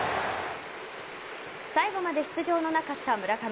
最後まで出場のなかった村上。